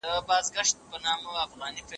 د ګډوډۍ څخه اعصاب خرابیږي.